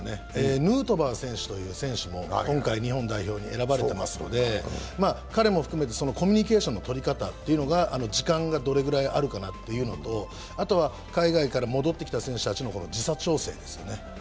ヌートバー選手も今回日本代表に選ばれていますので彼も含めてコミュニケーションのとり方、時間がどれくらいあるかなというのと、あとは海外から戻ってきた選手たちの時差調整ですよね。